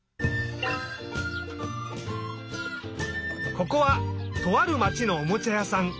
ここはとあるまちのおもちゃやさん。